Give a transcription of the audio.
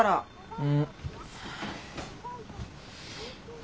うん。